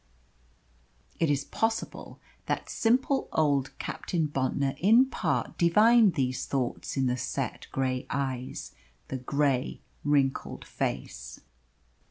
It is possible that simple old Captain Bontnor in part divined these thoughts in the set grey eyes, the grey wrinkled face.